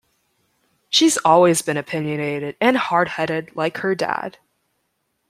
She's always been opinionated and hardheaded like her dad.